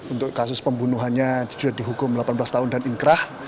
untuk kasus pembunuhannya sudah dihukum delapan belas tahun dan inkrah